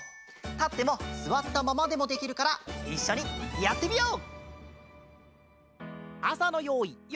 たってもすわったままでもできるからいっしょにやってみよう！